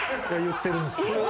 言ってるんです。